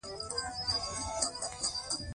پلار خو مې پرښتو اسمان ته بولى.